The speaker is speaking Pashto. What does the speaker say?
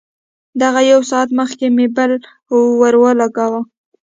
دغه يو ساعت مخکې مې بل ورولګاوه.